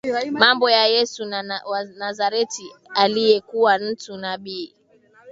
Mambo ya Yesu wa Nazareti aliyekuwa mtu nabii